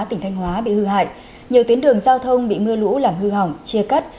tỉnh thanh hóa bị hư hại nhiều tuyến đường giao thông bị mưa lũ làm hư hỏng chia cắt